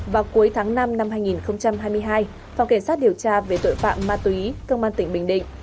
vào cuối tháng năm năm hai nghìn hai mươi hai phòng kiểm soát điều tra về tội phạm ma túy công an tỉnh bình định